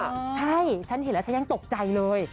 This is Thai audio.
ใช่ฉันเห็นแล้วฉันยังตกใจเลย